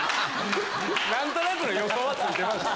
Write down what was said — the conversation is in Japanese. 何となくの予想はついてました。